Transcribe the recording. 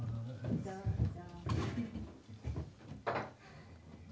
どうぞ